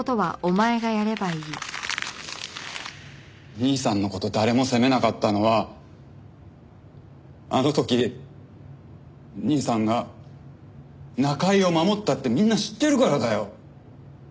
兄さんの事誰も責めなかったのはあの時兄さんが仲居を守ったってみんな知ってるからだよ。